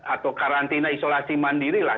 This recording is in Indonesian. atau karantina isolasi mandiri lah